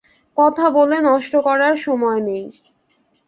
কথা বলে নষ্ট করার সময় নেই।